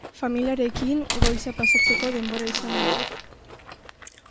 Familiarekin goiza pasatzeko denbora izan nuen.